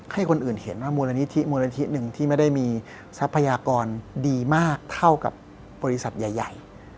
ให้คนอื่นเห็นว่ามูลนิธิมูลนิธิหนึ่งที่ไม่ได้มีทรัพยากรดีมากเท่ากับบริษัทใหญ่